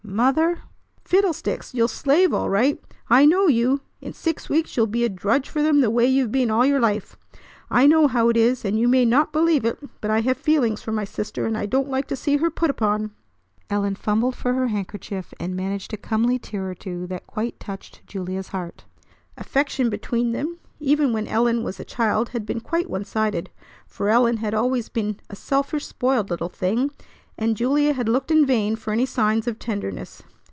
Mother! fiddlesticks! You'll slave all right. I know you. In six weeks you'll be a drudge for them the way you've been all your life! I know how it is, and you may not believe it; but I have feelings for my sister, and I don't like to see her put upon." Ellen fumbled for her handkerchief, and managed a comely tear or two that quite touched Julia's heart. Affection between them even when Ellen was a child had been quite one sided; for Ellen had always been a selfish, spoiled little thing, and Julia had looked in vain for any signs of tenderness.